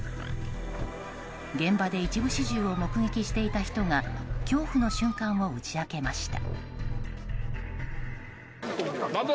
現場で一部始終を目撃していた人が恐怖の瞬間を打ち明けました。